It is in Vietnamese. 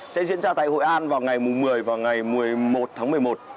sẽ diễn ra tại hội an vào ngày một mươi và ngày một mươi một tháng một mươi một